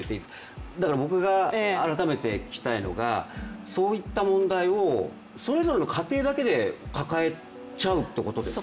僕が改めて聞きたいのが、そういった問題をそれぞれの家庭だけで抱えちゃうってことですか。